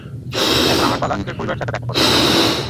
এখন আমার পালা নিজের পরিবারের সাথে দেখা করার।